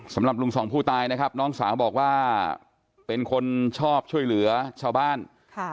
สำหรับลุงสองผู้ตายนะครับน้องสาวบอกว่าเป็นคนชอบช่วยเหลือชาวบ้านค่ะ